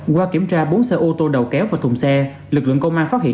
qua kiểm tra bốn xe ô tô đầu kéo và thùng xe lực lượng công an phát hiện